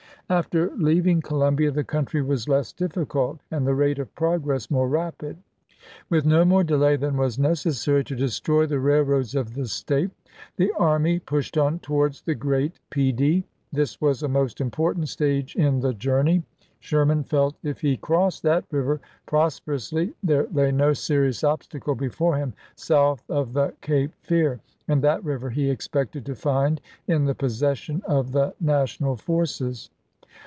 After leaving Columbia the country was less difficult and the rate of progress more rapid. With no more delay than was necessary to destroy the railroads of the State, the army pushed on towards the Great Peedee. This was a most important stage in the journey. Sherman felt if he crossed that river prosperously there lay no serious obstacle before him south of the Cape Fear, and that river he expected to find in the possession of the National forces.